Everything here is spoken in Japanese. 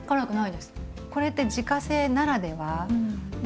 これって自家製ならではで